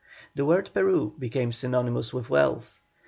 The word Peru became synonymous with wealth.